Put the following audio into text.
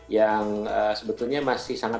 yang sebetulnya masih sangat